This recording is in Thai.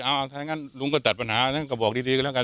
เอาถ้าอย่างนั้นลุงก็จัดปัญหานั้นก็บอกดีก็แล้วกัน